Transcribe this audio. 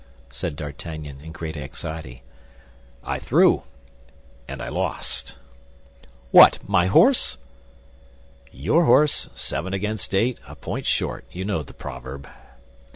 said D'Artagnan, in great anxiety. "I threw, and I lost." "What, my horse?" "Your horse, seven against eight; a point short—you know the proverb."